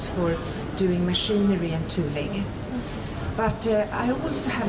semua jenis produk yang bisa digunakan